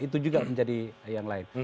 itu juga menjadi yang lain